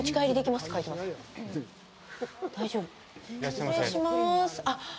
失礼しまーす。